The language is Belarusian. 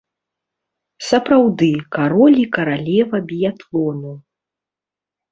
Сапраўды, кароль і каралева біятлону.